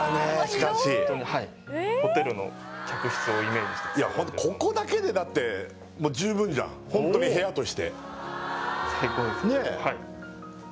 しかしはいホテルの客室をイメージしたいやここだけでだって十分じゃんホントに部屋として最高ですねえ